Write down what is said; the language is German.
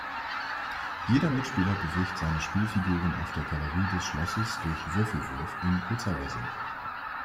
Jeder Mitspieler bewegt seine Spielfiguren auf der Galerie des Schlosses durch Würfelwurf im Uhrzeigersinn.